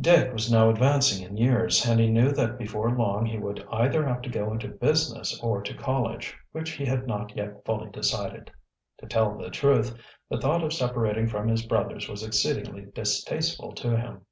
Dick was now advancing in years, and he knew that before long he would either have to go into business or to college, which he had not yet fully decided. To tell the truth, the thought of separating from his brothers was exceedingly distasteful to him.